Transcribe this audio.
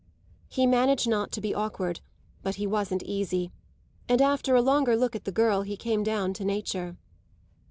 He managed not to be awkward, but he wasn't easy, and after a longer look at the girl he came down to nature.